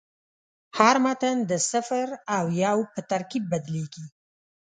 هر متن د صفر او یو په ترکیب بدلېږي.